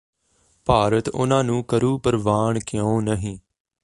ਭਾਰਤ ਉਨਾਂ ਨੂੰ ਕਰੂ ਪ੍ਰਵਾਨ ਕਿਉਂ ਨਹੀਂ